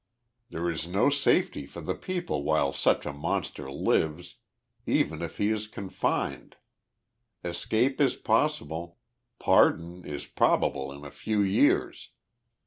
There is no safety for the people while such a monster lives, even if he is confined ; escape is possible ; par don is probable in a few years.